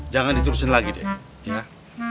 jangan diturusin lagi deh